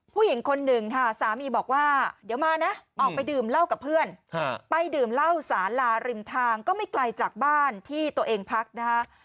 ผู้หญิงคนหนึ่งค่ะสามีบอกว่าเดี๋ยวมานะออกไปดื่มเหล้ากับเพื่อนไปดื่มเหล้าสาลาริมทางก็ไม่ไกลจากบ้านที่ตัวเองพักนะคะ